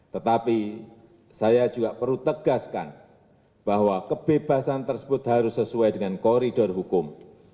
tetapi saya juga perlu tegaskan bahwa kebebasan tersebut harus sesuai dengan koridor hukum